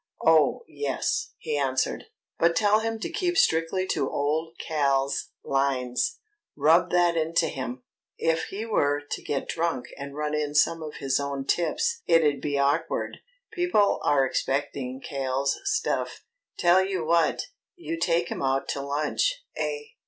"Oh, yes," he answered; "but tell him to keep strictly to old Cal's lines rub that into him. If he were to get drunk and run in some of his own tips it'd be awkward. People are expecting Cal's stuff. Tell you what: you take him out to lunch, eh?